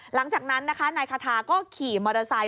หลังจากนั้นนะคะนายคาทาก็ขี่มอเตอร์ไซค